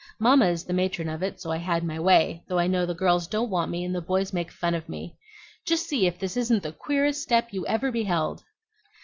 Mamma is the matron of it; so I had my way, though I know the girls don't want me, and the boys make fun of me. Just see if this isn't the queerest step you ever beheld!"